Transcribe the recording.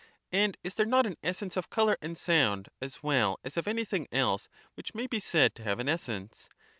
And is there not an essence of colour and sound as well as of anything else which may be said to have an essence?